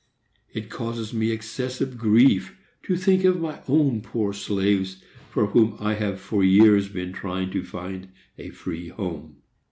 It causes me excessive grief to think of my own poor slaves, for whom I have for years been trying to find a free home.